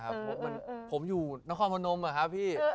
เพราะมันผมอยู่นครพนมอะครับพี่